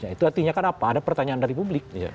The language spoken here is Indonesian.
itu artinya kan apa ada pertanyaan dari publik